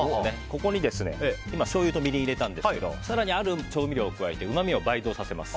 ここに今、しょうゆとみりんを入れたんですけど更に、ある調味料を加えてうまみを倍増させます。